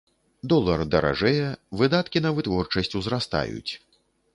Долар даражэе, выдаткі на вытворчасць узрастаюць.